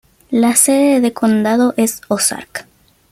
La sede de condado es Ozark.